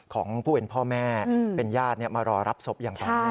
ของผู้เป็นพ่อแม่เป็นญาติมารอรับศพอย่างต่อเนื่อง